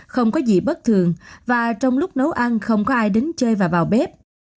không có gì bất thường và trong lúc nấu ăn không có ai đứng chơi và vào bếp